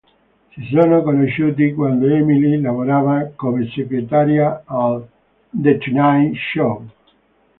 Si sono conosciuti quando Emily lavorava come segretaria al "The Tonight Show".